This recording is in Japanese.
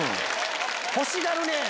欲しがるね！